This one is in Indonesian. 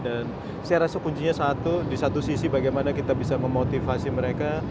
dan saya rasa kuncinya satu di satu sisi bagaimana kita bisa memotivasi mereka